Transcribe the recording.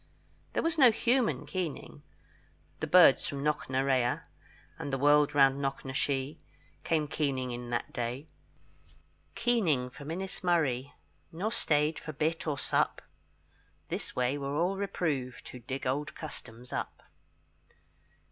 There was no human keening; The birds from Knocknarea, And the world round Knocknashee, Came keening in that day, Keening from Innismurry, Nor stayed for bit or sup; This way were all reproved Who dig old customs up.